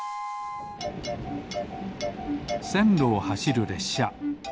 せんろをはしるれっしゃ。